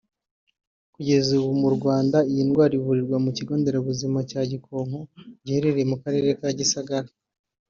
Kugeza ubu mu Rwanda iyi ndwara ivurirwa mu kigo nderabuzima cya Gikonko giherereye mu Karere ka Gisagara